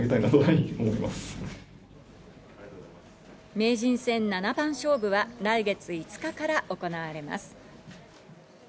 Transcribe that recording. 名人戦七番勝負は来月５日から行われます。